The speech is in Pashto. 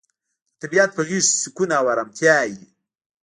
د طبیعت په غیږ کې سکون او ارامتیا وي.